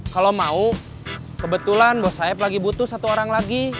kalau mau kebetulan bos saya lagi butuh satu orang lagi